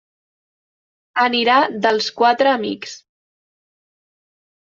Anirà dels quatre amics.